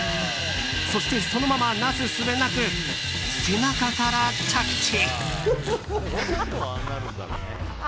そして、そのままなすすべなく背中から着地。